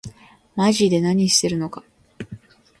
まぢで何してるのか